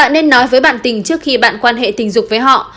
nên nói với bạn tình trước khi bạn quan hệ tình dục với họ